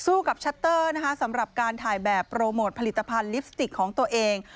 กับชัตเตอร์นะคะสำหรับการถ่ายแบบโปรโมทผลิตภัณฑ์ลิปสติกของตัวเอง